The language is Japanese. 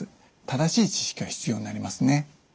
正しい知識は必要になりますね。